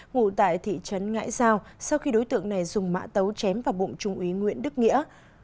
ngủ tại thị trấn ngãi giao sau khi đối tượng này dùng mã tấu chém vào bụng trung úy nguyễn đức nghĩa